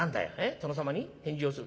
殿様に返事をする？